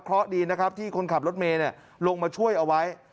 เพราะดีนะครับที่คนขับรถเมย์ลงมาช่วยเอาไว้